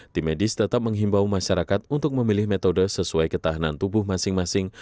tim medis tetap menghimbau masyarakat untuk memilih metode sesuai ketahanan tubuh masing masing